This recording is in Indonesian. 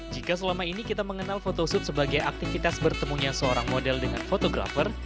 jika selama ini kita mengenal fotosup sebagai aktivitas bertemunya seorang model dengan fotografer